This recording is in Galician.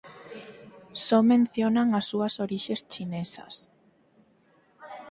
Só mencionan as súas orixes chinesas".